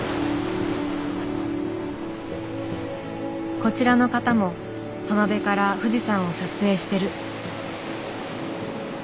こちらの方も浜辺から富士山を撮影してる。